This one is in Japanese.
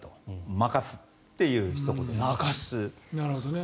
任すというひと言ですね。